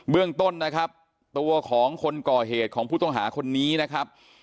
เรื่องต้นนะครับตัวของคนก่อเหตุของผู้ต้องหาคนนี้นะครับ